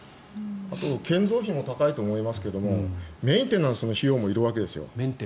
建造費も高いと思いますけれどもメンテナンスの費用もいるわけですよ。